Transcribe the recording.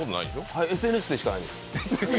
はい、ＳＮＳでしかないです。